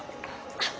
あっ。